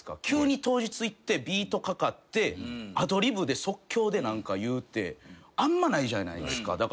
急に当日行ってビートかかってアドリブで即興で何か言うってあんまないじゃないですか。